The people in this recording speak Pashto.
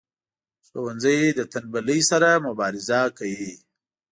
ښوونځی له تنبلی سره مبارزه کوي